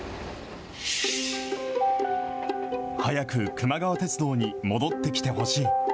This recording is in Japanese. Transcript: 早くくま川鉄道に戻ってきてほしい。